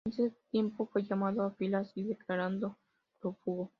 Durante ese tiempo fue llamado a filas y declarado prófugo.